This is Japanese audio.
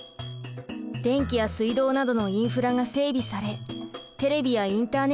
電気や水道などのインフラが整備されテレビやインターネットも利用できます。